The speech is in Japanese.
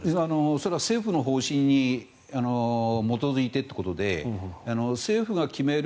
それは政府の方針に基づいてということで政府が決める